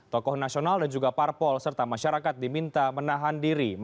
tokoh nasional dan juga parpol serta masyarakat diminta menahan diri